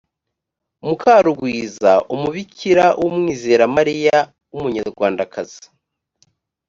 mukarugwiza umubikira w’umwizeramariya w’umunyarwandakazi